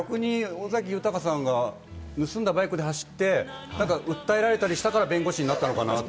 逆に尾崎豊さんが盗んだバイクで走って、ただ訴えられたりしたから弁護士になったのかな？と。